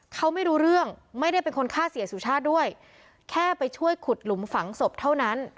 เขาไม่รู้เรื่องไม่ได้เป็นคนฆ่าเสียสุชาติด้วยแค่ไปช่วยขุดหลุมฝังศพเท่านั้น